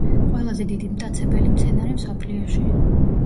ყველაზე დიდი მტაცებელი მცენარე მსოფლიოში.